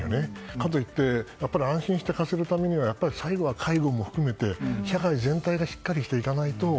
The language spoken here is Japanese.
かといって安心して稼ぐためには最後は介護しっかりして社会全体がしっかりしないと。